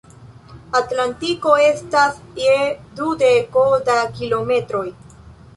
Atlantiko estas je dudeko da kilometroj.